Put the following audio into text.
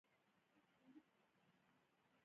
د هر مشتری غوښتنه جدي واخله.